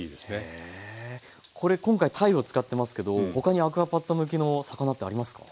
これ今回たいを使ってますけどほかにアクアパッツァ向きの魚ってありますか？